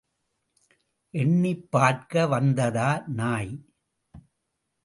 எண்ணிப் பார்க்க வந்ததா நாய்?